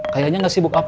kayaknya gak sibuk apa apa